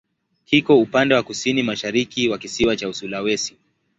Kiko upande wa kusini-mashariki wa kisiwa cha Sulawesi.